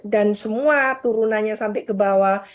dan semua turunannya sampai ke bawah